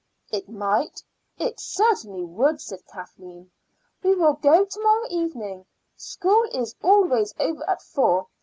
"It might? It certainly would," said Kathleen. "We will go to morrow evening. School is always over at four.